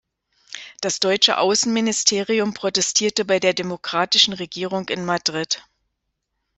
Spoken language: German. Das deutsche Außenministerium protestierte bei der demokratischen Regierung in Madrid.